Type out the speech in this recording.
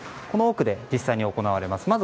この奥で実際に行われます。